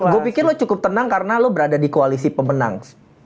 gue pikir lo cukup tenang karena lo berada di koalisi pemenang